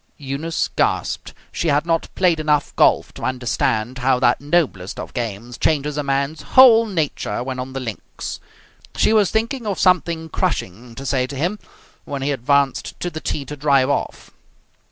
Eunice gasped. She had not played enough golf to understand how that noblest of games changes a man's whole nature when on the links. She was thinking of something crushing to say to him, when he advanced to the tee to drive off.